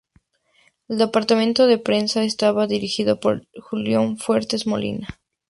El Departamento de Prensa estaba dirigido por Julio Fuentes Molina.